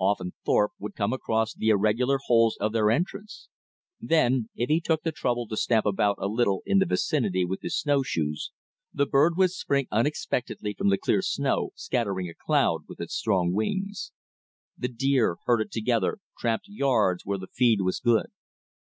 Often Thorpe would come across the irregular holes of their entrance. Then if he took the trouble to stamp about a little in the vicinity with his snowshoes, the bird would spring unexpectedly from the clear snow, scattering a cloud with its strong wings. The deer, herded together, tramped "yards" where the feed was good.